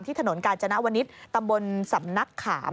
ที่ถนนกาลจนาวนิทตำบลสำนักขาม